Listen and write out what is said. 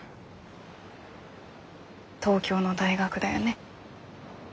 東京の大学だよね？